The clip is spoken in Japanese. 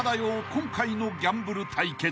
今回のギャンブル対決］